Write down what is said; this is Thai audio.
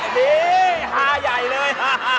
นี่ฮาใหญ่เลย